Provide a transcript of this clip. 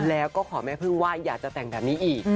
แล้วก็ขอแม่พึ่งว่าอยากจะแต่งแบบนี้อีก